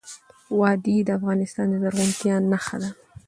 وادي د افغانستان د زرغونتیا نښه ده.